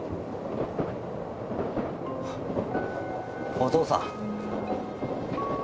お父さん。